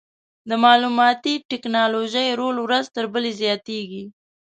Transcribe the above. د معلوماتي ټکنالوژۍ رول ورځ تر بلې زیاتېږي.